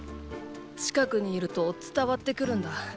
近くにいると伝わってくるんだ。